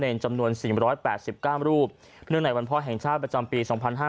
เนื่องในวันพ่อแห่งชาติประจำปี๒๕๖๒